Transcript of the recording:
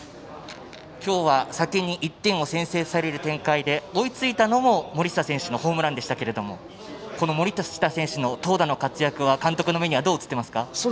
きょうは、先に１点を先制される展開で追いついたのも森下選手のホームランでしたけれどもこの森下選手の投打の活躍は監督の目にはどう映ってますか？